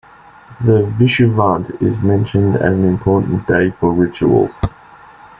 The "vishuvant" is mentioned as an important day for rituals.